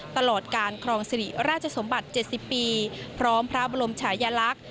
ตลอดการครองสิริราชสมบัติ๗๐ปีพร้อมพระบรมชายลักษณ์